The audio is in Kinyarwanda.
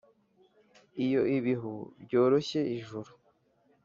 Iyo ibihu ryoroshe ijuru